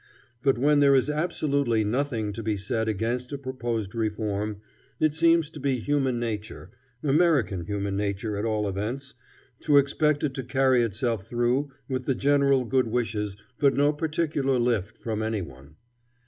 But when there is absolutely nothing to be said against a proposed reform, it seems to be human nature American human nature, at all events to expect it to carry itself through with the general good wishes but no particular lift from any one.